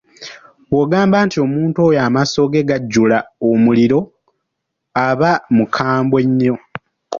Bw’ogamba nti omuntu oyo amaaso ge gajjula omuliro, aba mukambwe nnyo.